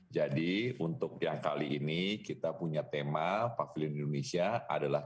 jadi untuk yang kali ini kita punya tema pavillion indonesia adalah